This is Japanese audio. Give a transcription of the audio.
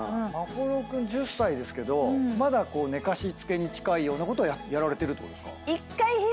眞秀君１０歳ですけどまだ寝かしつけに近いようなことはやられてるってことですか？